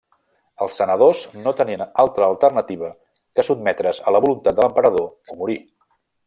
Els senadors no tenien altra alternativa que sotmetre's a la voluntat de l'emperador o morir.